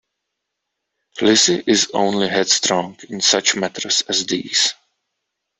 Lizzy is only headstrong in such matters as these.